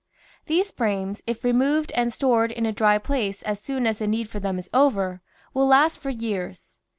These frames, if removed and stored in a dry place as soon as the need for them is over, will last for years.